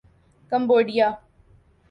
Cambodia